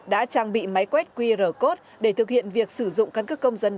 đã trang bị máy quét qr code để thực hiện việc sử dụng căn cước công dân gắn chip